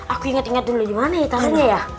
aku inget inget dulu gimana ya